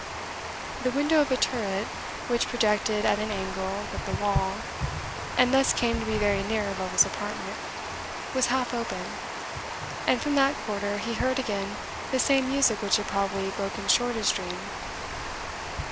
The window of a turret, which projected at an angle with the wall, and thus came to be very near Lovel's apartment, was half open, and from that quarter he heard again the same music which had probably broken short his dream.